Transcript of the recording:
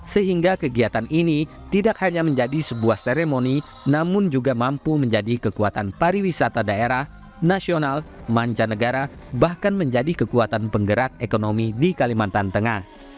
sehingga kegiatan ini tidak hanya menjadi sebuah seremoni namun juga mampu menjadi kekuatan pariwisata daerah nasional mancanegara bahkan menjadi kekuatan penggerak ekonomi di kalimantan tengah